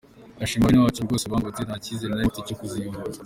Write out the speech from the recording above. Ndashima aba bene wacu rwose barangobotse, nta cyizere nari mfite cyo kuzivuza.